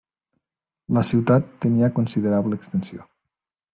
La ciutat tenia considerable extensió.